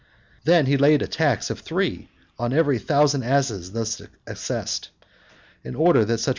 Then he laid a tax of three on every thousand asses thus assessed, in order that. such.